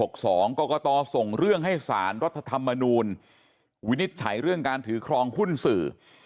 กรกตส่งเรื่องให้สารรัฐธรรมนูลวินิจฉัยเรื่องการถือครองหุ้นสื่อ